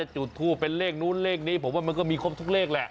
จุดทูปเป็นเลขนู้นเลขนี้ผมว่ามันก็มีครบทุกเลขแหละ